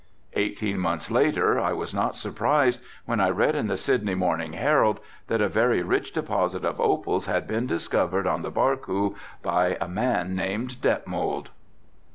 Eighteen months later I was not surprised when I read in the Sydney Morning Herald that a very rich deposit of opals had been discovered on the Barcoo by a man named Detmold.